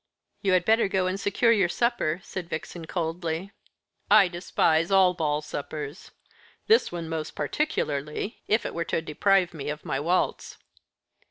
"You had better go and secure your supper," said Vixen coldly. "I despise all ball suppers. This one most particularly, if it were to deprive me of my waltz."